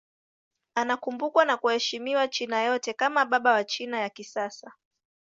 Anakumbukwa na kuheshimiwa China yote kama baba wa China ya kisasa.